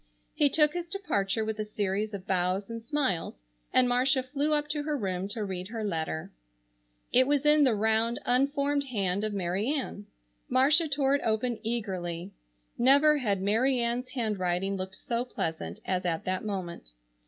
He took his departure with a series of bows and smiles, and Marcia flew up to her room to read her letter. It was in the round unformed hand of Mary Ann. Marcia tore it open eagerly. Never had Mary Ann's handwriting looked so pleasant as at that moment.